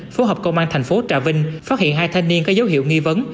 phối hợp công an thành phố trà vinh phát hiện hai thanh niên có dấu hiệu nghi vấn